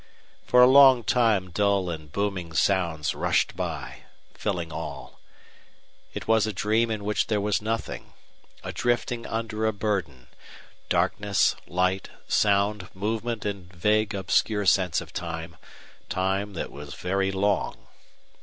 For a long time dull and booming sounds rushed by, filling all. It was a dream in which there was nothing; a drifting under a burden; darkness, light, sound, movement; and vague, obscure sense of time time that was very long.